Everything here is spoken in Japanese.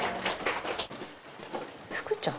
福ちゃん？